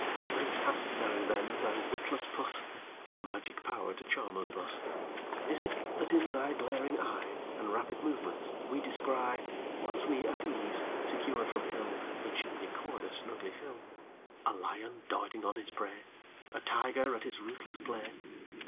Whence hast thou then, thou witless puss! The magic power to charm us thus? Is it that in thy glaring eye And rapid movements we descry Whilst we at ease, secure from ill, The chimney corner snugly fill A lion darting on his prey, A tiger at his ruthless play?